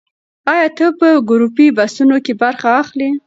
ایا ته په ګروپي بحثونو کې برخه اخلې؟